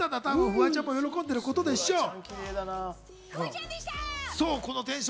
フワちゃんも喜んでることでしょう。